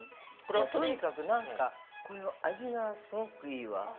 とにかくなんか、この味がすごくいいわ。